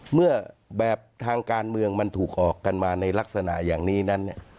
เมื่อแบบทางการเมืองมันถูกออกกันมาในลักษณะอย่างนี้นั้น